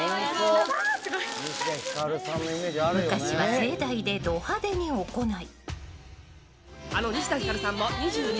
昔は、盛大でド派手に行い。